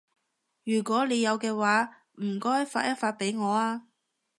如果你有嘅話，唔該發一發畀我啊